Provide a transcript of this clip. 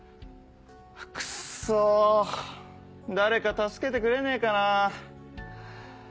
クッソ誰か助けてくれねえかなぁ。